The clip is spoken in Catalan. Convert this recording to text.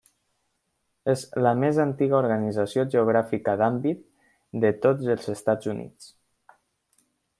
És la més antiga organització geogràfica d'àmbit de tots els Estats Units.